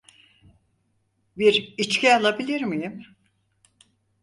Bir içki alabilir miyim?